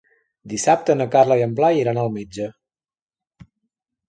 Dissabte na Carla i en Blai iran al metge.